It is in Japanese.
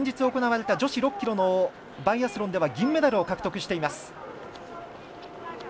先日行われた女子６ｋｍのバイアスロンでは銀メダルを獲得しています。